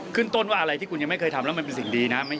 ขึ้นต้นว่าอะไรที่คุณยังไม่เคยทำแล้วมันเป็นสิ่งดีนะ